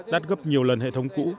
đắt gấp nhiều lần hệ thống cũ